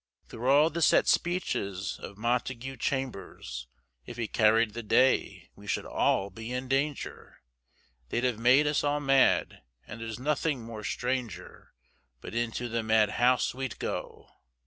Through all the set speeches of Montague Chambers, If he carried the day we should all be in danger, They'd have made us all mad, and there's nothing more stranger, But into the madhouse we'd go!